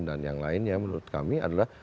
dan yang lainnya menurut kami adalah